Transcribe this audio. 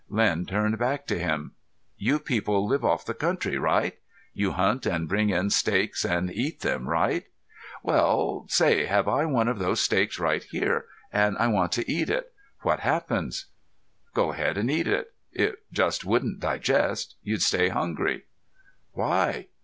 Len turned back to him. "You people live off the country, right? You hunt and bring in steaks and eat them, right? Well, say I have one of those steaks right here and I want to eat it, what happens?" "Go ahead and eat it. It just wouldn't digest. You'd stay hungry." "Why?"